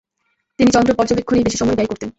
তিনি চন্দ্র পর্যবেক্ষণেই বেশি সময় ব্যয় করতেন।